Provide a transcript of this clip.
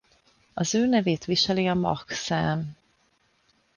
Az ő nevét viseli a Mach-szám.